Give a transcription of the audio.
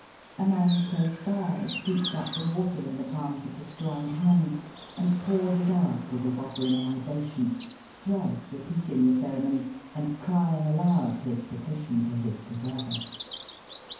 A man close by scoops up the water in the palms of his joined hands and pours it out as if offering a libation, thrice repeating the ceremony and crying aloud his petition to his Preserver.